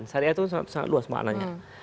syariah itu sangat luas maknanya